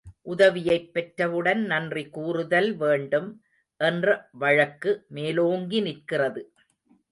உதவியைப் பெற்றவுடன் நன்றி கூறுதல் வேண்டும் என்ற வழக்கு, மேலோங்கி நிற்கிறது.